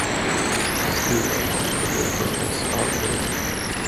Stina förlåter oss aldrig.